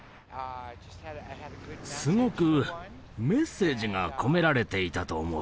すごくメッセージが込められていたと思う。